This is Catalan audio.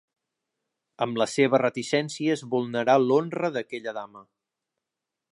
Amb les seves reticències vulnerà l'honra d'aquella dama.